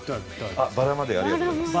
バラまでありがとうございます。